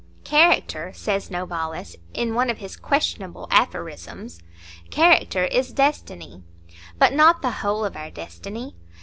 "Character," says Novalis, in one of his questionable aphorisms,—"character is destiny." But not the whole of our destiny.